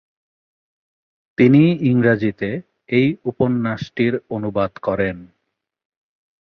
তিনিই ইংরাজীতে এই উপন্যাসটির অনুবাদ করেন।